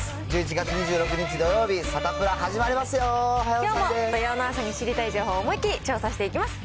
１１月２６日土曜日、サタプラ始きょうも土曜の朝に知りたい情報を思いっ切り調査していきます。